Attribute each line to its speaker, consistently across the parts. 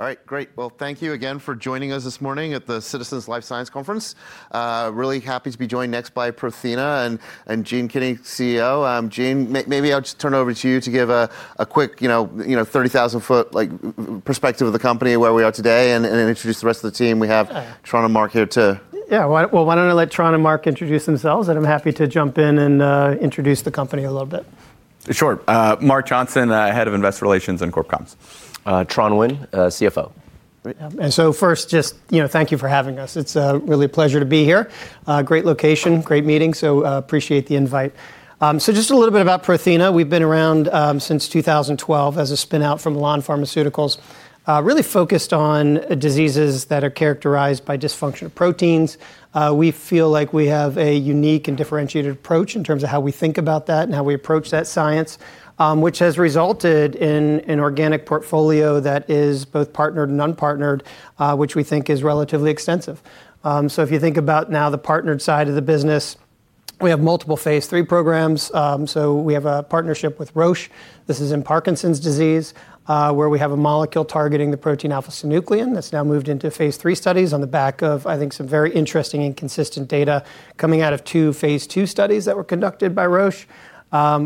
Speaker 1: All right, great. Well, thank you again for joining us this morning at the Citizens Life Sciences Conference. Really happy to be joined next by Prothena and Gene Kinney, CEO. Gene, maybe I'll just turn it over to you to give a quick, you know, 30,000-foot like perspective of the company, where we are today, and introduce the rest of the team.
Speaker 2: Uh.
Speaker 1: Tran and Mark here to
Speaker 2: Yeah. Why don't I let Tran and Mark introduce themselves, and I'm happy to jump in and introduce the company a little bit.
Speaker 3: Sure. Mark Johnson, Head of Investor Relations and Corp Comms.
Speaker 4: Tran Nguyen, CFO.
Speaker 2: Great. First just, you know, thank you for having us. It's really a pleasure to be here. Great location, great meeting, so appreciate the invite. Just a little bit about Prothena. We've been around since 2012 as a spin-out from Elan Pharmaceuticals, really focused on diseases that are characterized by dysfunctional proteins. We feel like we have a unique and differentiated approach in terms of how we think about that and how we approach that science, which has resulted in an organic portfolio that is both partnered and unpartnered, which we think is relatively extensive. If you think about now the partnered side of the business, we have multiple phase III programs. We have a partnership with Roche. This is in Parkinson's disease, where we have a molecule targeting the protein alpha-synuclein that's now moved into phase III studies on the back of, I think, some very interesting and consistent data coming out of two phase II studies that were conducted by Roche.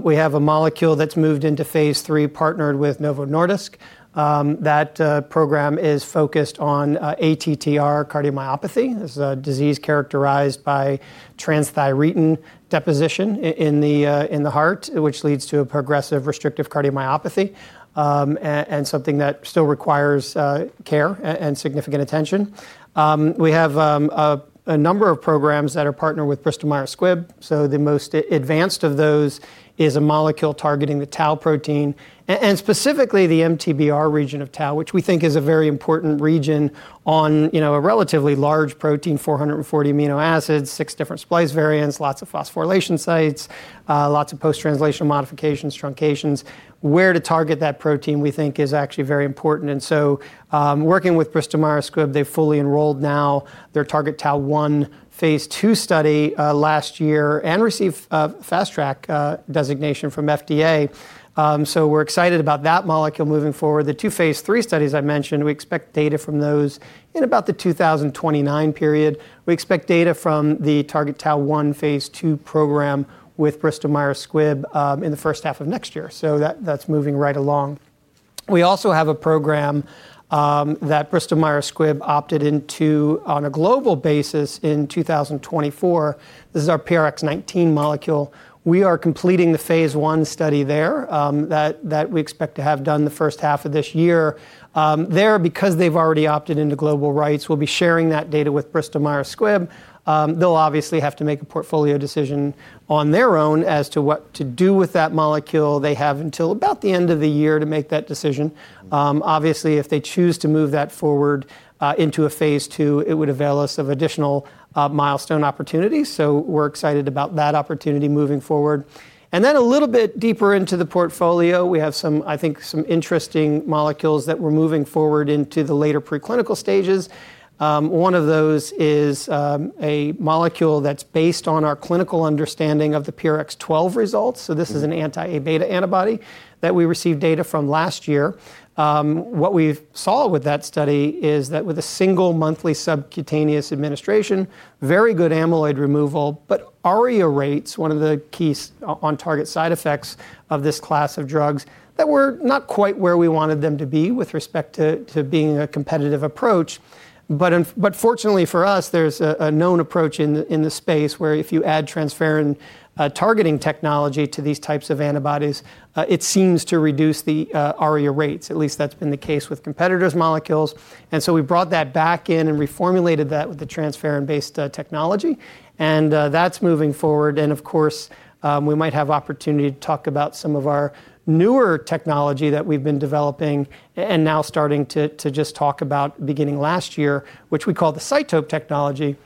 Speaker 2: We have a molecule that's moved into phase III, partnered with Novo Nordisk. That program is focused on ATTR cardiomyopathy. This is a disease characterized by transthyretin deposition in the heart, which leads to a progressive restrictive cardiomyopathy, and something that still requires care and significant attention. We have a number of programs that are partnered with Bristol Myers Squibb. The most advanced of those is a molecule targeting the tau protein and specifically the MTBR region of tau, which we think is a very important region on, you know, a relatively large protein, 440 amino acids, six different splice variants, lots of phosphorylation sites, lots of post-translational modifications, truncations. Where to target that protein, we think, is actually very important. Working with Bristol Myers Squibb, they've fully enrolled now their TargetTau-1 phase II study last year and received a Fast Track designation from FDA. We're excited about that molecule moving forward. The two phase III studies I mentioned, we expect data from those in about the 2029 period. We expect data from the TargetTau-1 phase II program with Bristol Myers Squibb in the first half of next year, so that's moving right along. We also have a program that Bristol Myers Squibb opted into on a global basis in 2024. This is our PRX-019 molecule. We are completing the phase I study there that we expect to have done the first half of this year. Because they've already opted into global rights, we'll be sharing that data with Bristol Myers Squibb. They'll obviously have to make a portfolio decision on their own as to what to do with that molecule. They have until about the end of the year to make that decision. Obviously, if they choose to move that forward into a phase II, it would avail us of additional milestone opportunities. We're excited about that opportunity moving forward. Then a little bit deeper into the portfolio, we have some, I think, some interesting molecules that we're moving forward into the later preclinical stages. One of those is a molecule that's based on our clinical understanding of the PRX012 results.
Speaker 1: Mm-hmm.
Speaker 2: This is an anti-Abeta antibody that we received data from last year. What we've saw with that study is that with a single monthly subcutaneous administration, very good amyloid removal, but ARIA rates one of the key on-target side effects of this class of drugs that were not quite where we wanted them to be with respect to to being a competitive approach. Fortunately for us, there's a known approach in the space where if you add transferrin targeting technology to these types of antibodies, it seems to reduce the ARIA rates. At least that's been the case with competitors' molecules. We brought that back in and reformulated that with the transferrin-based technology, and that's moving forward. Of course, we might have opportunity to talk about some of our newer technology that we've been developing and now starting to just talk about beginning last year, which we call the CYTOPE technology.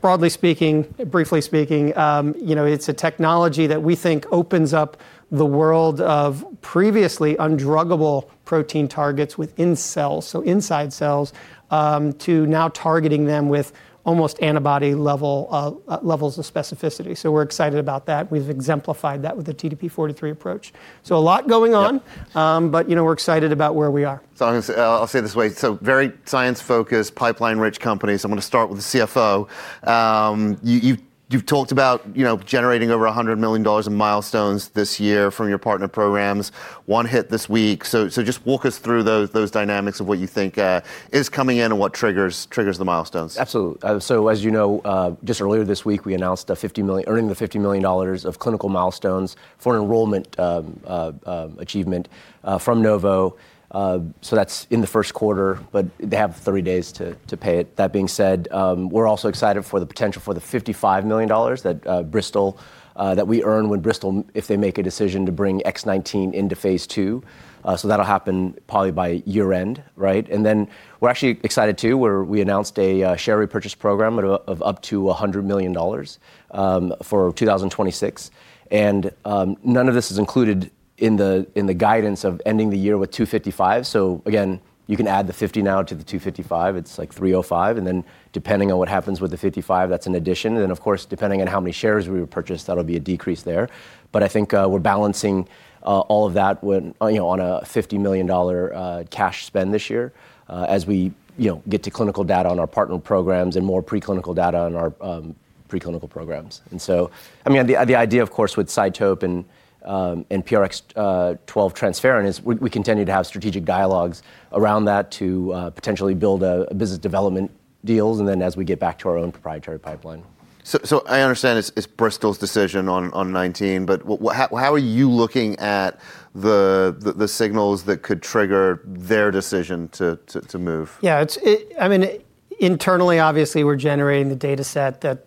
Speaker 2: Broadly speaking, briefly speaking, you know, it's a technology that we think opens up the world of previously undruggable protein targets within cells, so inside cells, to now targeting them with almost antibody level levels of specificity. We're excited about that. We've exemplified that with the TDP-43 approach. A lot going on.
Speaker 1: Yeah.
Speaker 2: You know, we're excited about where we are.
Speaker 1: I'll say it this way. Very science-focused, pipeline-rich company, so I'm gonna start with the CFO. You've talked about, you know, generating over $100 million in milestones this year from your partner programs, one hit this week. Just walk us through those dynamics of what you think is coming in and what triggers the milestones.
Speaker 4: Absolutely. So as you know, just earlier this week, we announced earning the $50 million of clinical milestones for an enrollment achievement from Novo. So that's in the first quarter, but they have 30 days to pay it. That being said, we're also excited for the potential for the $55 million that we earn when Bristol makes a decision to bring PRX019 into phase II. So that'll happen probably by year-end, right? Then we're actually excited too, where we announced a share repurchase program of up to $100 million for 2026. None of this is included in the guidance of ending the year with $255 million. Again, you can add the 50 now to the 255. It's like 305, and then depending on what happens with the 55, that's an addition. Of course, depending on how many shares we would purchase, that'll be a decrease there. I think we're balancing all of that when you know on a $50 million cash spend this year, as we you know get to clinical data on our partner programs and more preclinical data on our. Preclinical programs. I mean, the idea of course with CYTOPE and PRX012 transferrin is we continue to have strategic dialogues around that to potentially build a business development deals, and then as we get back to our own proprietary pipeline.
Speaker 1: I understand it's Bristol's decision on 19, but how are you looking at the signals that could trigger their decision to move?
Speaker 2: I mean, internally, obviously, we're generating the data set that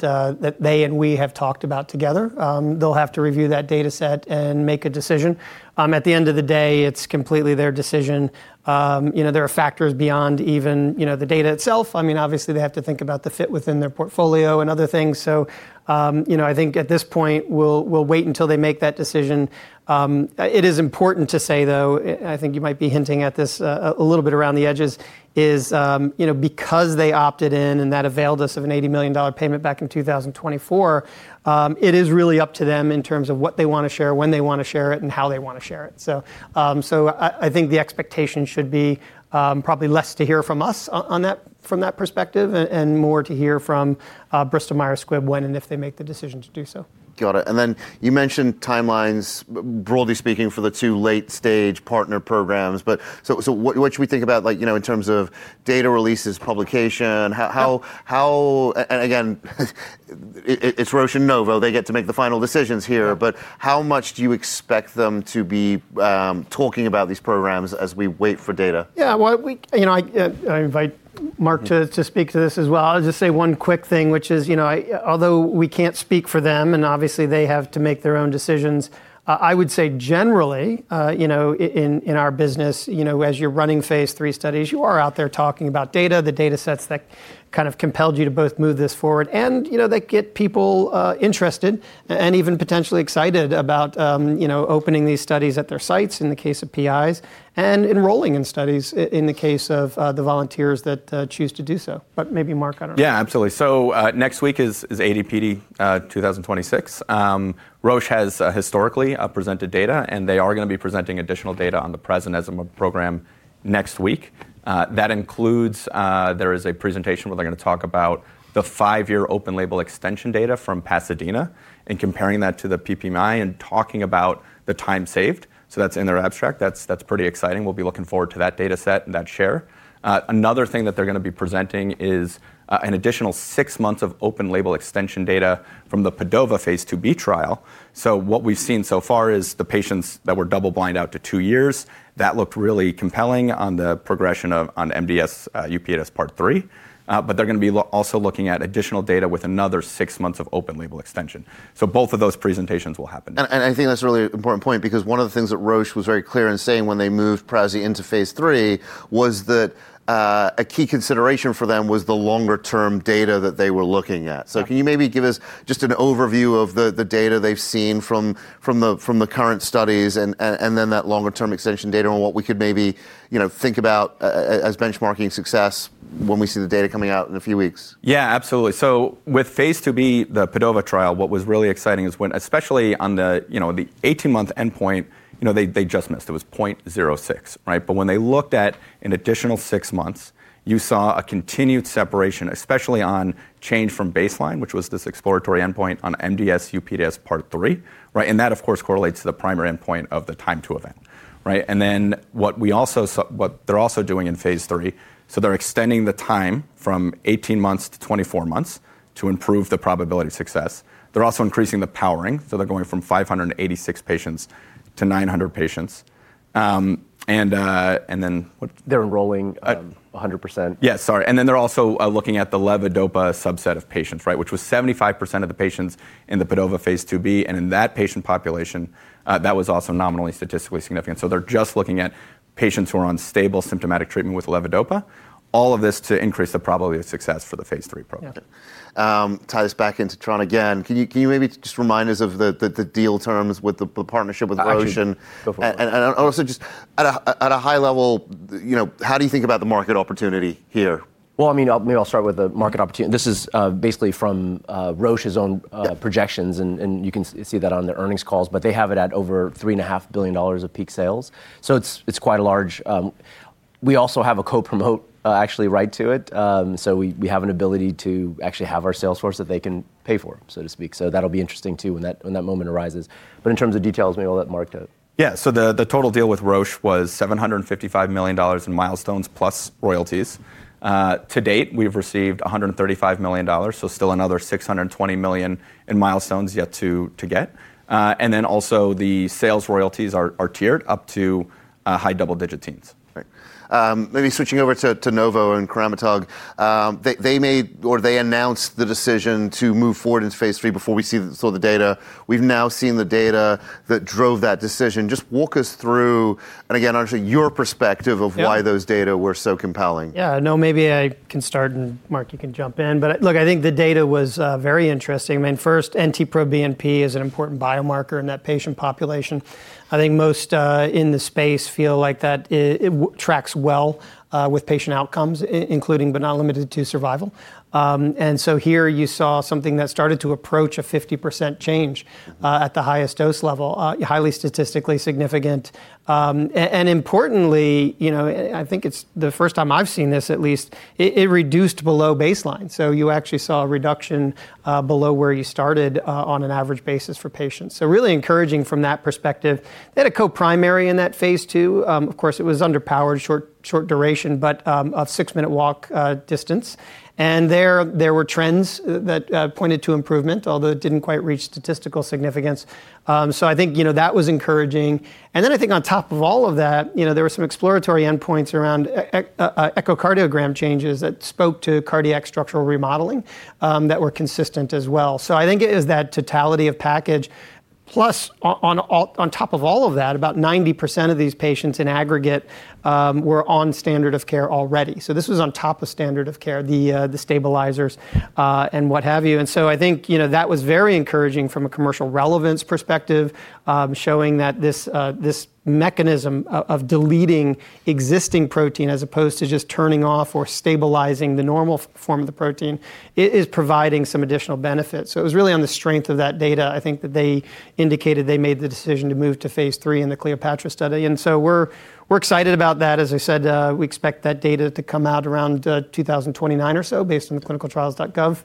Speaker 2: they and we have talked about together. They'll have to review that data set and make a decision. At the end of the day, it's completely their decision. You know, there are factors beyond even, you know, the data itself. I mean, obviously, they have to think about the fit within their portfolio and other things. You know, I think at this point, we'll wait until they make that decision. It is important to say though, and I think you might be hinting at this a little bit around the edges, you know, because they opted in and that availed us of an $80 million payment back in 2024, it is really up to them in terms of what they wanna share, when they wanna share it, and how they wanna share it. I think the expectation should be probably less to hear from us on that, from that perspective and more to hear from Bristol Myers Squibb when and if they make the decision to do so.
Speaker 1: Got it. Then you mentioned timelines, broadly speaking, for the two late-stage partner programs. So what should we think about, like, you know, in terms of data releases, publication? And again, it's Roche and Novo, they get to make the final decisions here.
Speaker 2: Yeah.
Speaker 1: How much do you expect them to be talking about these programs as we wait for data?
Speaker 2: Yeah. Well, you know, I invite Mark to speak to this as well. I'll just say one quick thing, which is, you know, although we can't speak for them, and obviously they have to make their own decisions, I would say generally, you know, in our business, you know, as you're running phase III studies, you are out there talking about data, the data sets that kind of compelled you to both move this forward and, you know, that get people interested and even potentially excited about, you know, opening these studies at their sites in the case of PIs, and enrolling in studies in the case of the volunteers that choose to do so. But maybe Mark, I don't know.
Speaker 3: Yeah, absolutely. Next week is AD/PD 2026. Roche has historically presented data, and they are gonna be presenting additional data on the prasinezumab program next week. That includes, there is a presentation where they're gonna talk about the five-year open label extension data from PASADENA and comparing that to the PPMI and talking about the time saved. That's in their abstract. That's pretty exciting. We'll be looking forward to that data set and that share. Another thing that they're gonna be presenting is an additional six months of open label extension data from the PADOVA Phase IIb trial. What we've seen so far is the patients that were double-blind out to two years, that looked really compelling on the progression of MDS-UPDRS Part III. They're gonna be also looking at additional data with another six months of open-label extension. Both of those presentations will happen.
Speaker 1: I think that's a really important point because one of the things that Roche was very clear in saying when they moved prasinezumab into phase III was that a key consideration for them was the longer-term data that they were looking at.
Speaker 3: Yeah.
Speaker 1: Can you maybe give us just an overview of the data they've seen from the current studies and then that longer term extension data on what we could maybe, you know, think about as benchmarking success when we see the data coming out in a few weeks?
Speaker 3: Yeah, absolutely. With phase IIb, the PADOVA trial, what was really exciting is when, especially on the, you know, the 18-month endpoint, you know, they just missed. It was 0.06, right? When they looked at an additional six months, you saw a continued separation, especially on change from baseline, which was this exploratory endpoint on MDS-UPDRS Part III, right? That, of course, correlates to the primary endpoint of the time to event, right? What they're also doing in phase III, so they're extending the time from 18 months-24 months to improve the probability of success. They're also increasing the powering, so they're going from 586 patients to 900 patients. And then what-
Speaker 2: They're enrolling 100%.
Speaker 3: Yeah, sorry. Then they're also looking at the levodopa subset of patients, right, which was 75% of the patients in the PADOVA phase IIb. In that patient population, that was also nominally statistically significant. They're just looking at patients who are on stable symptomatic treatment with levodopa, all of this to increase the probability of success for the phase III program.
Speaker 2: Yeah.
Speaker 1: Okay. Tie this back into Tran again. Can you maybe just remind us of the deal terms with the partnership with Roche?
Speaker 4: Oh, actually. Go for it.
Speaker 1: Also just at a high level, you know, how do you think about the market opportunity here?
Speaker 4: Well, I mean, I'll maybe start with the market opportunity. This is basically from Roche's own.
Speaker 1: Yeah
Speaker 4: Projections, and you can see that on their earnings calls. They have it at over $3.5 billion of peak sales. It's quite a large. We also have a co-promote, actually right to it. We have an ability to actually have our sales force that they can pay for, so to speak. That'll be interesting too, when that moment arises. In terms of details, maybe I'll let Mark take it. Yeah. The total deal with Roche was $755 million in milestones+ royalties. To date, we've received $135 million, so still another $620 million in milestones yet to get. Then also the sales royalties are tiered up to high double-digit teens.
Speaker 1: Right. Maybe switching over to Novo and coramitug. They made or they announced the decision to move forward into phase III before we saw the data. We've now seen the data that drove that decision. Just walk us through, and again, honestly, your perspective of
Speaker 2: Yeah
Speaker 1: Why those data were so compelling.
Speaker 2: Maybe I can start, and Mark, you can jump in. Look, I think the data was very interesting. I mean, first, NT-proBNP is an important biomarker in that patient population. I think most in the space feel like that it tracks well with patient outcomes including, but not limited to survival. Here you saw something that started to approach a 50% change at the highest dose level, highly statistically significant. And importantly, you know, I think it's the first time I've seen this, at least, it reduced below baseline. So you actually saw a reduction below where you started on an average basis for patients. So really encouraging from that perspective. They had a co-primary in that phase II. Of course, it was underpowered, short duration, but a Six-Minute Walk distance. There were trends that pointed to improvement, although it didn't quite reach statistical significance. I think, you know, that was encouraging. I think on top of all of that, you know, there were some exploratory endpoints around echocardiogram changes that spoke to cardiac structural remodeling that were consistent as well. I think it is that totality of package. Plus on top of all of that, about 90% of these patients in aggregate were on standard of care already. This was on top of standard of care, the stabilizers, and what have you. I think, you know, that was very encouraging from a commercial relevance perspective, showing that this mechanism of deleting existing protein as opposed to just turning off or stabilizing the normal form of the protein is providing some additional benefit. It was really on the strength of that data, I think, that they indicated they made the decision to move to phase III in the CLEOPATRA study. We're excited about that. As I said, we expect that data to come out around 2029 or so based on the ClinicalTrials.gov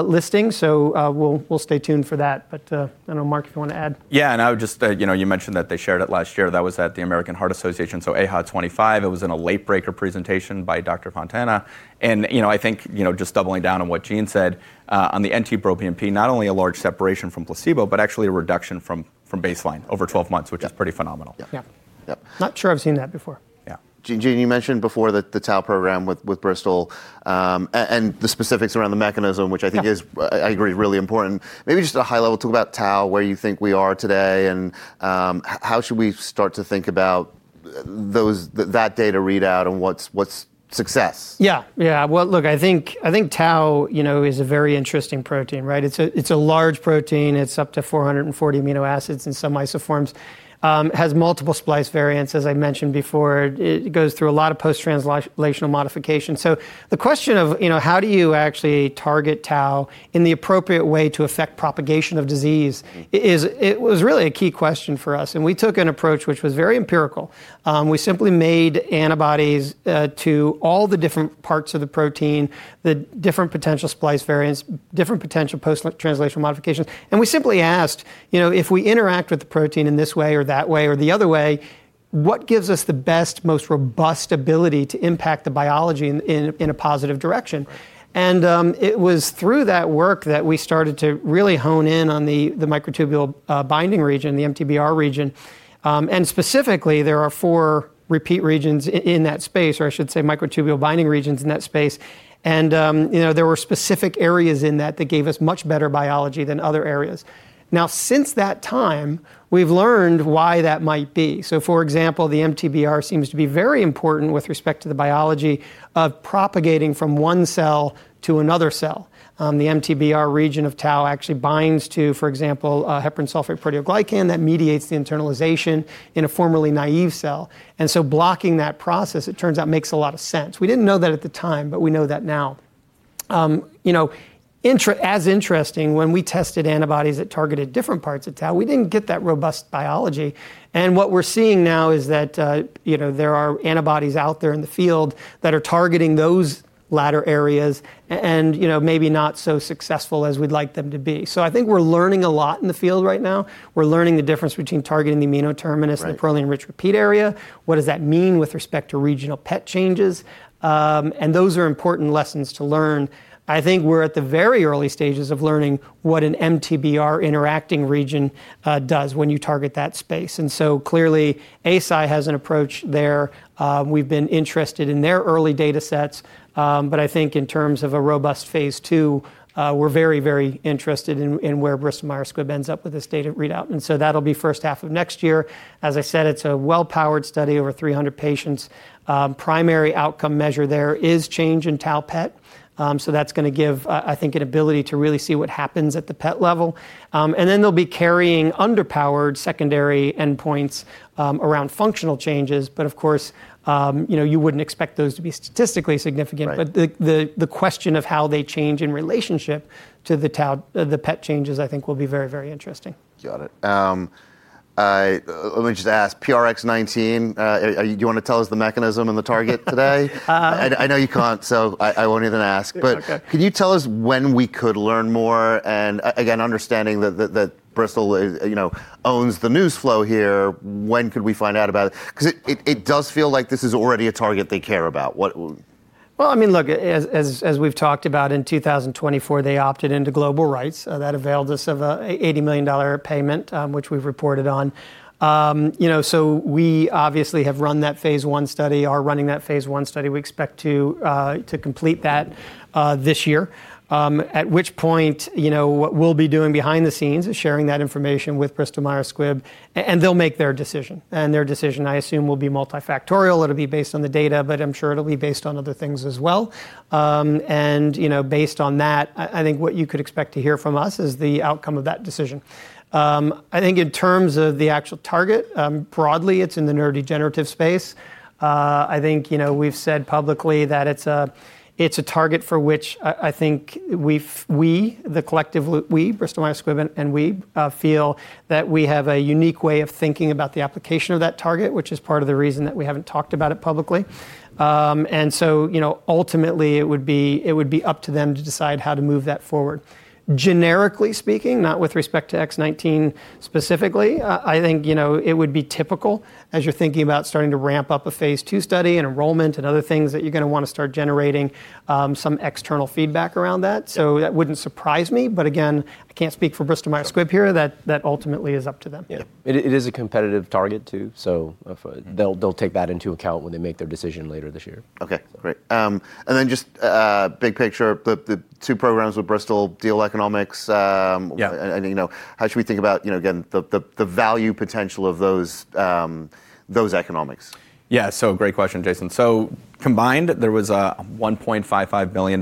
Speaker 2: listing. We'll stay tuned for that. I don't know, Mark, if you wanna add.
Speaker 3: Yeah, I would just, you know, you mentioned that they shared it last year, that was at the American Heart Association, so AHA 2025. It was in a late breaker presentation by Luigi Fontana. You know, I think, you know, just doubling down on what Gene said, on the NT-proBNP, not only a large separation from placebo, but actually a reduction from baseline over 12 months.
Speaker 2: Yeah
Speaker 3: Which is pretty phenomenal.
Speaker 2: Yeah.
Speaker 1: Yeah.
Speaker 2: Yep. Not sure I've seen that before.
Speaker 3: Yeah.
Speaker 1: Gene, you mentioned before the tau program with Bristol and the specifics around the mechanism, which I think is
Speaker 2: Yeah
Speaker 1: I agree, really important. Maybe just at a high level, talk about tau, where you think we are today, and how should we start to think about those that data readout and what's success?
Speaker 2: Well, look, I think tau, you know, is a very interesting protein, right? It's a large protein, it's up to 440 amino acids in some isoforms, has multiple splice variants, as I mentioned before. It goes through a lot of post-translational modification. So the question of, you know, how do you actually target tau in the appropriate way to affect propagation of disease, it was really a key question for us, and we took an approach which was very empirical. We simply made antibodies to all the different parts of the protein, the different potential splice variants, different potential post-translational modifications. We simply asked, you know, if we interact with the protein in this way or that way or the other way, what gives us the best, most robust ability to impact the biology in a positive direction? It was through that work that we started to really hone in on the microtubule binding region, the MTBR region. Specifically, there are four repeat regions in that space, or I should say microtubule binding regions in that space. You know, there were specific areas in that that gave us much better biology than other areas. Now, since that time, we've learned why that might be. For example, the MTBR seems to be very important with respect to the biology of propagating from one cell to another cell. The MTBR region of tau actually binds to, for example, a heparan sulfate proteoglycan that mediates the internalization in a formerly naive cell. Blocking that process, it turns out, makes a lot of sense. We didn't know that at the time, but we know that now. You know, interestingly, when we tested antibodies that targeted different parts of tau, we didn't get that robust biology. What we're seeing now is that, you know, there are antibodies out there in the field that are targeting those latter areas and, you know, maybe not so successful as we'd like them to be. I think we're learning a lot in the field right now. We're learning the difference between targeting the amino terminus.
Speaker 1: Right
Speaker 2: The proline-rich region. What does that mean with respect to regional PET changes? Those are important lessons to learn. I think we're at the very early stages of learning what an MTBR interacting region does when you target that space. Clearly, Eisai has an approach there. We've been interested in their early data sets. But I think in terms of a robust phase II, we're very, very interested in where Bristol Myers Squibb ends up with this data readout. That'll be first half of next year. As I said, it's a well-powered study, over 300 patients. Primary outcome measure there is change in tau PET. That's gonna give, I think, an ability to really see what happens at the PET level. They'll be carrying underpowered secondary endpoints, around functional changes. Of course, you know, you wouldn't expect those to be statistically significant.
Speaker 1: Right.
Speaker 2: The question of how they change in relationship to the tau PET changes, I think, will be very, very interesting.
Speaker 1: Got it. Let me just ask, PRX019, do you wanna tell us the mechanism and the target today?
Speaker 2: Um-
Speaker 1: I know you can't, so I won't even ask.
Speaker 2: Okay.
Speaker 1: Can you tell us when we could learn more? Again, understanding that Bristol, you know, owns the news flow here, when could we find out about it? 'Cause it does feel like this is already a target they care about.
Speaker 2: Well, I mean, look, as we've talked about in 2024, they opted into global rights, that availed us of an $80 million payment, which we've reported on. You know, we obviously have run that phase I study, are running that phase I study. We expect to complete that this year. At which point, you know, what we'll be doing behind the scenes is sharing that information with Bristol Myers Squibb and they'll make their decision. Their decision, I assume, will be multifactorial. It'll be based on the data, but I'm sure it'll be based on other things as well. You know, based on that, I think what you could expect to hear from us is the outcome of that decision. I think in terms of the actual target, broadly, it's in the neurodegenerative space. I think, you know, we've said publicly that it's a target for which I think we—the collective we, Bristol Myers Squibb and we—feel that we have a unique way of thinking about the application of that target, which is part of the reason that we haven't talked about it publicly. You know, ultimately, it would be up to them to decide how to move that forward. Generically speaking, not with respect to PRX019 specifically, I think, you know, it would be typical as you're thinking about starting to ramp up a phase II study and enrollment and other things that you're gonna wanna start generating, some external feedback around that.
Speaker 1: Yeah.
Speaker 2: That wouldn't surprise me. Again, I can't speak for Bristol Myers Squibb here. That ultimately is up to them.
Speaker 3: Yeah. It is a competitive target, too. They'll take that into account when they make their decision later this year.
Speaker 1: Okay, great. Just big picture, the two programs with Bristol, deal economics.
Speaker 2: Yeah
Speaker 1: You know, how should we think about, you know, again, the value potential of those economics?
Speaker 3: Yeah. Great question, Jason. Combined, there was $1.55 billion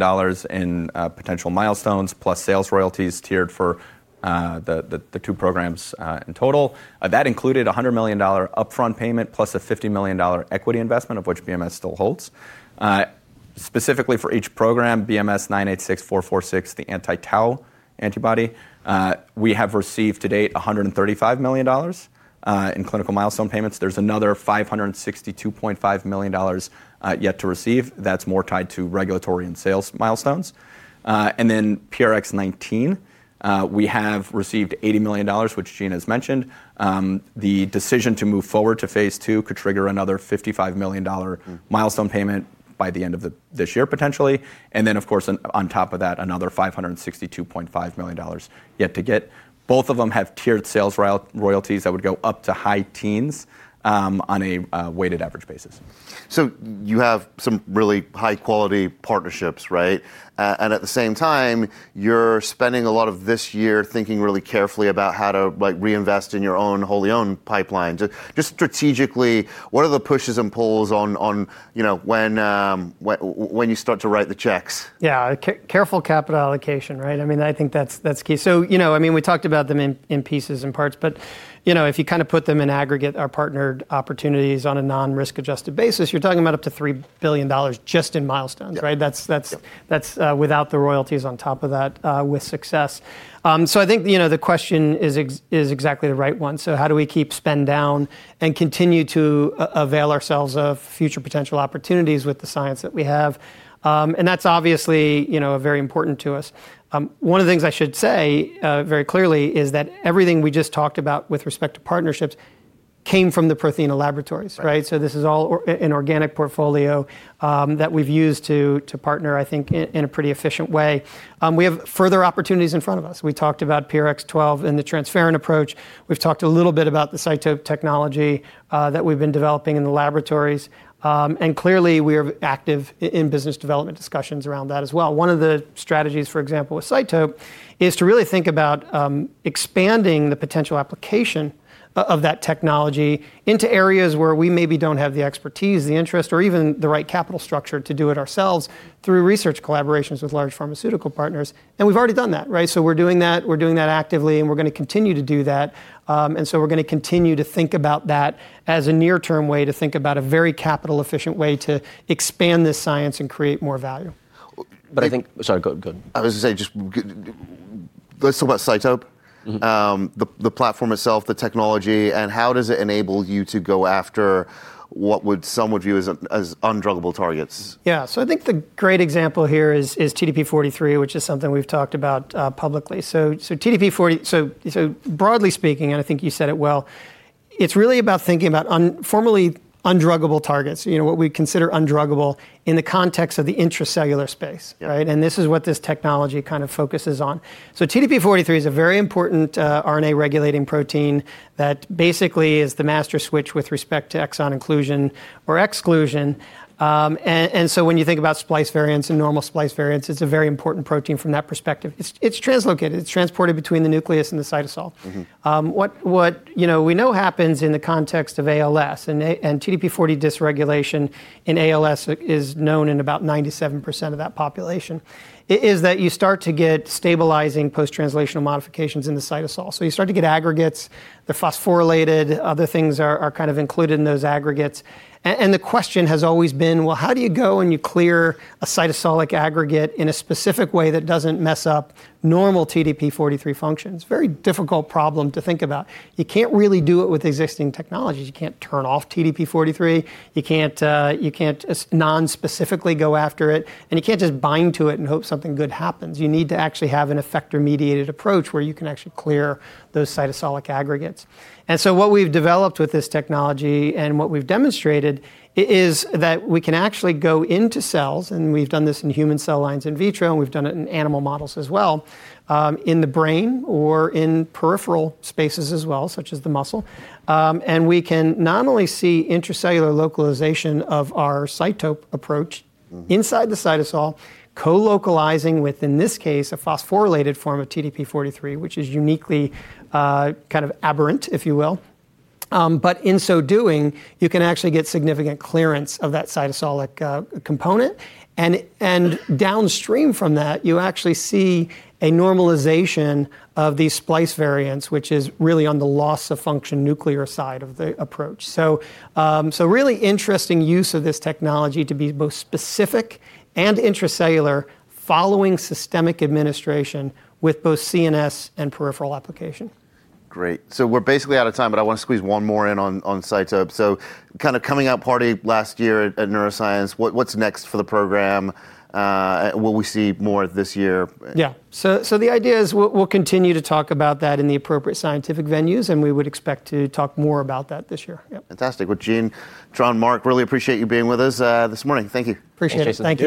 Speaker 3: in potential milestones plus sales royalties tiered for the two programs in total. That included a $100 million upfront payment plus a $50 million equity investment, of which BMS still holds. Specifically for each program, BMS-986446, the anti-tau antibody, we have received to date $135 million in clinical milestone payments. There's another $562.5 million yet to receive. That's more tied to regulatory and sales milestones. Then PRX019, we have received $80 million, which Gene has mentioned. The decision to move forward to phase II could trigger another $55 million
Speaker 1: Mm.
Speaker 3: Milestone payment by the end of this year potentially. Then of course, on top of that, another $562.5 million yet to get. Both of them have tiered sales royalties that would go up to high teens on a weighted average basis.
Speaker 1: You have some really high quality partnerships, right? At the same time, you're spending a lot of this year thinking really carefully about how to, like, reinvest in your own wholly owned pipelines. Just strategically, what are the pushes and pulls on, you know, when you start to write the checks?
Speaker 2: Yeah. Careful capital allocation, right? I mean, I think that's key. You know, I mean we talked about them in pieces and parts, but you know, if you kind of put them in aggregate, our partnered opportunities on a non-risk adjusted basis, you're talking about up to $3 billion just in milestones, right?
Speaker 1: Yeah.
Speaker 2: That's.
Speaker 1: Yeah.
Speaker 2: That's without the royalties on top of that with success. I think, you know, the question is exactly the right one. How do we keep spend down and continue to avail ourselves of future potential opportunities with the science that we have? That's obviously, you know, very important to us. One of the things I should say very clearly is that everything we just talked about with respect to partnerships came from the Prothena laboratories, right?
Speaker 1: Right.
Speaker 2: This is all of an organic portfolio that we've used to partner I think in a pretty efficient way. We have further opportunities in front of us. We talked about PRX012 and the transferrin approach. We've talked a little bit about the CYTOPE technology that we've been developing in the laboratories. Clearly we are active in business development discussions around that as well. One of the strategies, for example, with CYTOPE, is to really think about expanding the potential application of that technology into areas where we maybe don't have the expertise, the interest or even the right capital structure to do it ourselves through research collaborations with large pharmaceutical partners. We've already done that, right? We're doing that actively, and we're gonna continue to do that. We're gonna continue to think about that as a near-term way to think about a very capital-efficient way to expand this science and create more value.
Speaker 1: I think.
Speaker 3: Sorry. Go, go.
Speaker 1: I was gonna say let's talk about CYTOPE.
Speaker 2: Mm-hmm.
Speaker 1: The platform itself, the technology, and how does it enable you to go after what some would view as undruggable targets?
Speaker 2: Yeah. I think the great example here is TDP-43, which is something we've talked about publicly. Broadly speaking, and I think you said it well, it's really about thinking about once formerly undruggable targets, you know, what we consider undruggable in the context of the intracellular space, right? This is what this technology kind of focuses on. TDP-43 is a very important RNA regulating protein that basically is the master switch with respect to exon inclusion or exclusion. When you think about splice variants and normal splice variants, it's a very important protein from that perspective. It's translocated, it's transported between the nucleus and the cytosol.
Speaker 1: Mm-hmm.
Speaker 2: What you know we know happens in the context of ALS, and TDP-43 dysregulation in ALS is known in about 97% of that population, is that you start to get stabilizing post-translational modifications in the cytosol. You start to get aggregates. They're phosphorylated, other things are kind of included in those aggregates. The question has always been, well, how do you go and you clear a cytosolic aggregate in a specific way that doesn't mess up normal TDP-43 functions. Very difficult problem to think about. You can't really do it with existing technologies. You can't turn off TDP-43. You can't nonspecifically go after it, and you can't just bind to it and hope something good happens. You need to actually have an effector mediated approach where you can actually clear those cytosolic aggregates. What we've developed with this technology and what we've demonstrated is that we can actually go into cells, and we've done this in human cell lines in vitro, and we've done it in animal models as well, in the brain or in peripheral spaces as well, such as the muscle. We can not only see intracellular localization of our CYTOPE approach.
Speaker 1: Mm.
Speaker 2: Inside the cytosol, co-localizing with, in this case, a phosphorylated form of TDP-43, which is uniquely kind of aberrant, if you will. In so doing, you can actually get significant clearance of that cytosolic component. Downstream from that, you actually see a normalization of these splice variants, which is really on the loss of function nuclear side of the approach. Really interesting use of this technology to be both specific and intracellular following systemic administration with both CNS and peripheral application.
Speaker 1: Great. We're basically out of time, but I wanna squeeze one more in on CYTOPE. Kind of coming out party last year at Neuroscience, what's next for the program? Will we see more this year?
Speaker 2: Yeah. The idea is we'll continue to talk about that in the appropriate scientific venues, and we would expect to talk more about that this year. Yep.
Speaker 1: Fantastic. Well, Gene, Tran, Mark, really appreciate you being with us, this morning. Thank you.
Speaker 2: Appreciate it.
Speaker 3: Thanks, Jason.